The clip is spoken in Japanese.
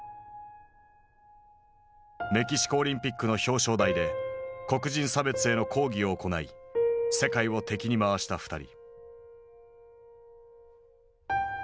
メキシコオリンピックの表彰台で黒人差別への抗議を行い世界を敵に回した２人。